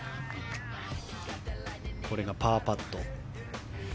これがパーパット。